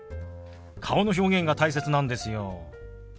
顔の表現が大切なんですよ。